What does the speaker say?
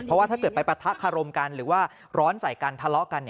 เพราะว่าถ้าเกิดไปปะทะคารมกันหรือว่าร้อนใส่กันทะเลาะกัน